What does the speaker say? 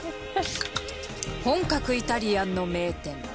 本格イタリアンの名店